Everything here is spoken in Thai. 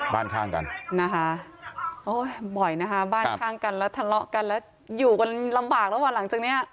ข้างกันนะคะโอ้ยบ่อยนะคะบ้านข้างกันแล้วทะเลาะกันแล้วอยู่กันลำบากแล้วอ่ะหลังจากเนี้ย